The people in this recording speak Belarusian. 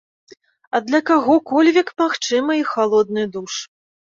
А для каго-кольвек, магчыма, і халодны душ.